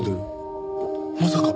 まさか！